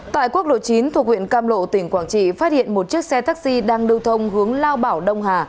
tại quốc lộ chín thuộc huyện cam lộ tỉnh quảng trị phát hiện một chiếc xe taxi đang lưu thông hướng lao bảo đông hà